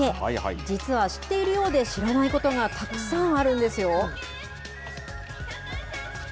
実は知っているようで知らないことがたくさんあるんですよ。